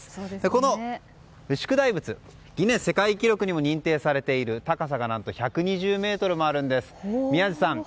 この牛久大仏世界ギネス世界記録にも認定されていて高さが何と１２０ｍもあるんです。